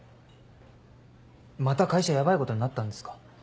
また会社ヤバいことになったんですか？